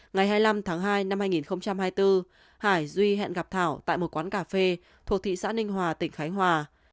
ngày hai mươi năm tháng hai năm hai nghìn hai mươi bốn hải duy hẹn gặp thảo tại một quán cà phê thuộc thị xã ninh hòa tỉnh khánh hòa